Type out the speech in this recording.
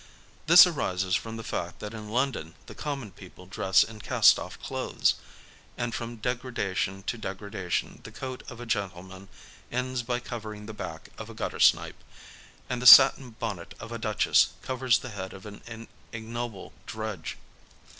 This arises from the fact that in LfOndon the common people dress in cast off clothes ; and from degradation to degradation the coat of a gentleman ends by covering the back of a gutter snipe, and the satin bonnet of a duchess covers the head of an ignoble drudge.